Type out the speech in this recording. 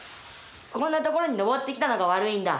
こんなところに上ってきたのが悪いんだ。